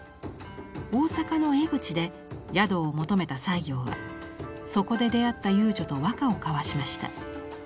大阪の江口で宿を求めた西行はそこで出会った遊女と和歌を交わしました。